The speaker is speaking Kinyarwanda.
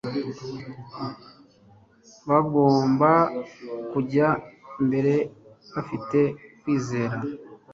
Bagomba kujya mbere bafite kwizera